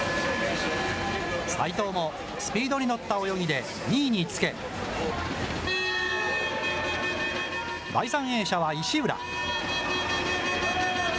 齋藤もスピードに乗った泳ぎで、２位につけ、第３泳者は石浦。